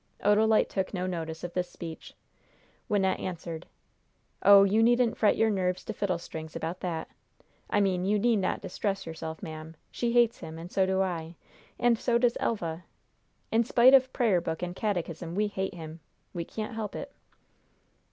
Odalite took no notice of this speech. Wynnette answered: "Oh, you needn't fret your nerves to fiddle strings about that I mean you need not distress yourself, ma'am. She hates him, and so do I. And so does Elva. In spite of prayer book and catechism, we hate him. We can't help it."